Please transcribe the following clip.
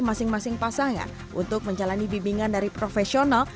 masing masing pasangan untuk menjalani bimbingan dari profesional